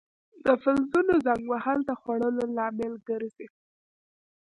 د فلزونو زنګ وهل د خوړلو لامل ګرځي.